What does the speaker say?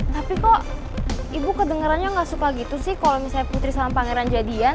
tapi kok ibu kedengerannya nggak suka gitu sih kalau misalnya putri sama pangeran jadian